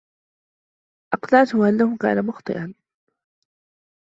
أقنعته أنه كان مخطئا.